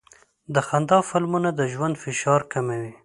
د خندا فلمونه د ژوند فشار کموي.